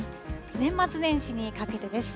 年末年始にかけてです。